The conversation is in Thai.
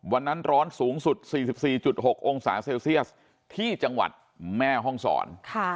วันนั้นร้อนสูงสุด๔๔๖องศาเซลเซียสที่จังหวัดแม่ห้องศร